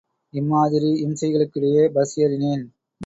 இம்மாதிரி இம்சைகளுக்கிடையே பஸ் ஏறினேன்.